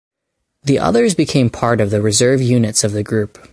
The others became part of the reserve units of the group.